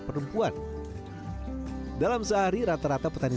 perempuan dalam sehari rata rata petani